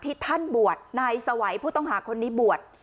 ที่ท่านบวชนายสวัยผู้ต้องหาคนนี้บวช